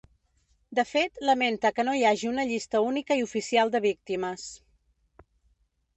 De fet, lamenta que no hi hagi una llista única i oficial de víctimes.